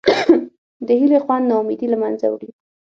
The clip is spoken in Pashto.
د هیلې خوند نا امیدي له منځه وړي.